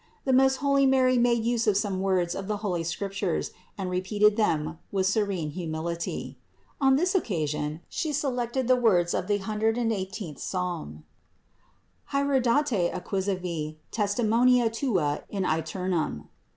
The most holy Mary made use of some words of the holy Scriptures and repeated them with serene humility. On this occasion She selected the words of the 1 18th Psalm : "Haereditate acquisivi test imonia tua in aeternum."